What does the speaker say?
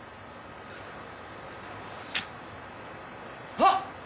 あっ！